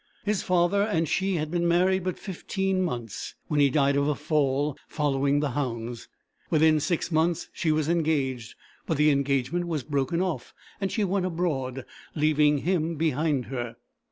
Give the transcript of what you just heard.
His father and she had been married but fifteen months, when he died of a fall, following the hounds. Within six months she was engaged, but the engagement was broken off, and she went abroad, leaving him behind her.